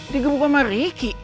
digebuk kamar riki